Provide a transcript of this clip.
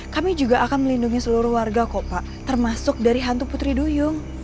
kami juga akan melindungi seluruh warga kok pak termasuk dari hantu putri duyung